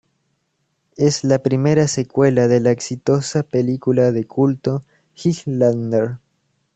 Es la primera secuela de la exitosa película de culto "Highlander".